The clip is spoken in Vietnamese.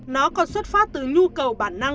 nó còn xuất phát từ nhu cầu bản năng